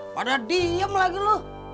padahal diam lagi lo